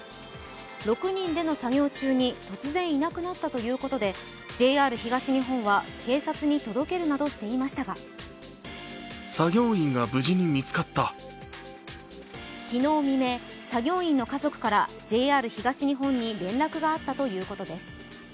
６人での作業中に突然いなくなったということでＪＲ東日本は、警察に届けるなどしていましたが昨日未明、作業員の家族からＪＲ東日本に連絡があったということです。